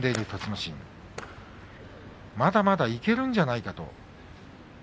心まだまだいけるんじゃないかという。